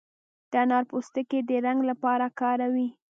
د انارو پوستکي د رنګ لپاره کاروي.